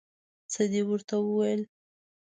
څه دې ورته وویل؟